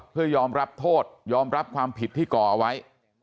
เพื่อยอมรับโทษยอมรับความผิดที่ก่อเอาไว้